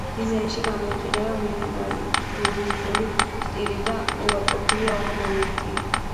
დიზაინში გამოიყენება მინიმალისტური სტილი და უარყოფილია ორნამენტი.